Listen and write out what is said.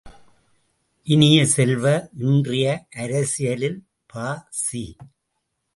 இனிய செல்வ, இன்றைய அரசியலில் ப.சி.